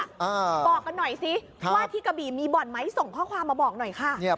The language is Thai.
บอกกันหน่อยสิว่าที่กะบี่มีบ่อนไหมส่งข้อความมาบอกหน่อยค่ะ